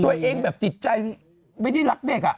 ตัวเองแบบจิตใจไม่ได้รักเด็ก